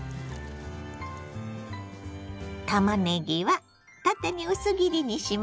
たまねぎは縦に薄切りにします。